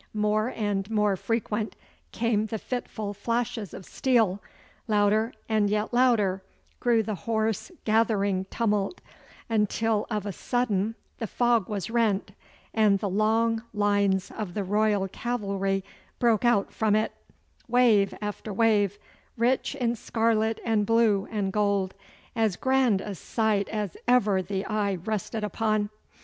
More and more frequent came the fitful flashes of steel, louder and yet louder grew the hoarse gathering tumult, until of a sudden the fog was rent, and the long lines of the Royal cavalry broke out from it, wave after wave, rich in scarlet and blue and gold, as grand a sight as ever the eye rested upon.